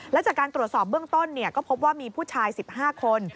และจากการตรวจสอบเบื้องต้นก็พบว่ามีผู้ชาย๑๕คน